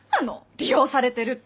利用されてるって。